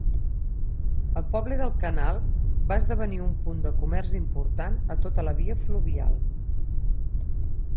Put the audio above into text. El poble del canal va esdevenir un punt de comerç important a tota la via fluvial.